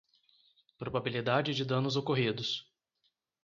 Probabilidade de danos ocorridos.